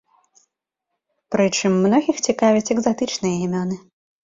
Прычым, многіх цікавяць экзатычныя імёны.